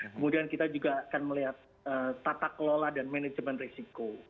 kemudian kita juga akan melihat tata kelola dan manajemen resiko